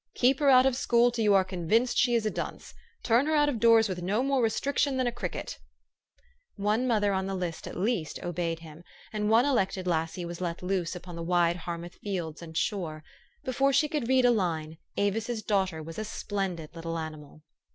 " Keep her out of school till you are convinced she is a dunce. Turn her out of doors with no more restriction than a cricket." One mother on the list at least obeyed him, and one elected lassie was let loose upon the wide Har mouth fields and shore. Before she could read a line, Avis's daughter was a splendid little animal.